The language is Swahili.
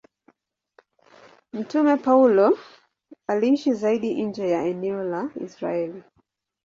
Mtume Paulo aliishi zaidi nje ya eneo la Israeli.